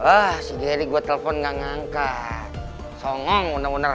ah si geri gua telepon nggak ngangkat songong bener bener